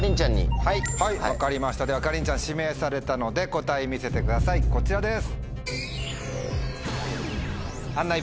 はい分かりましたではかりんちゃん指名されたので答え見せてくださいこちらです。